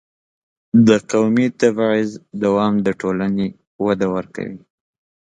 د قومي تبعیض دوام د ټولنې وده ورو کوي.